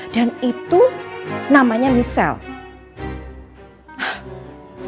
dan itu namanya michelle